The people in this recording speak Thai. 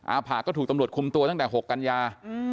อาผะก็ถูกตำรวจคุมตัวตั้งแต่๖กันยา